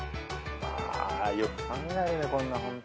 ・よく考えるねこんなホント。